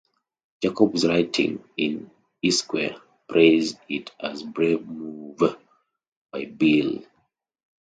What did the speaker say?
Jacobs writing in "Esquire", praised it as a brave move by Biel.